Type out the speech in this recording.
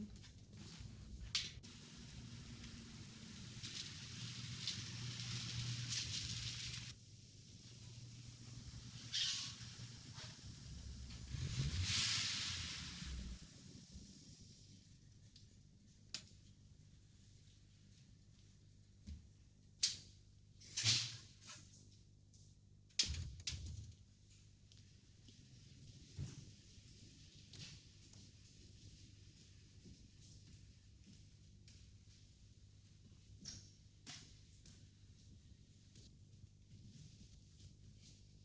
kenapa dasarnya di sarawak dia terus ditenginto daerah pockets